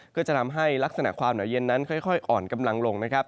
ก็จะทำให้ลักษณะความหนาวเย็นนั้นค่อยอ่อนกำลังลงนะครับ